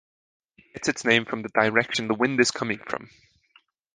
It gets its name from the direction the wind is coming from.